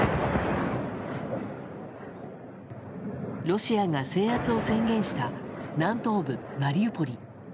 ロシアが制圧を宣言した南東部マリウポリ。